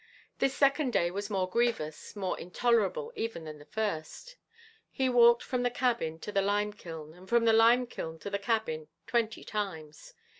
This second day was more grievous, more intolerable even than the first. He walked from the cabin to the lime kiln, and from the lime kiln to the cabin twenty times.